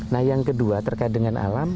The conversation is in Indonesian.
nah yang kedua terkait dengan alam